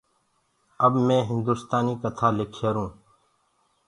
اب مي هندُستآنيٚ ڪٿآ لک هيرو